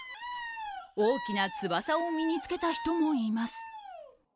大きな翼を身に着けた人もいます。